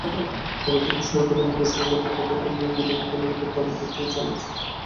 অন্যদিকে সরকার মুখে সংলাপের কথা বললেও বিরোধী দলের ওপর দমননীতিও চালাচ্ছে।